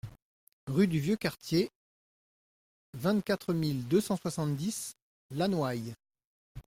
Rue du Vieux Quartier, vingt-quatre mille deux cent soixante-dix Lanouaille